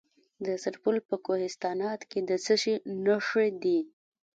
د سرپل په کوهستانات کې د څه شي نښې دي؟